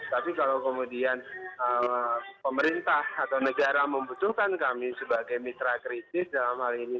tapi kalau kemudian pemerintah atau negara membutuhkan kami sebagai mitra kritis dalam hal ini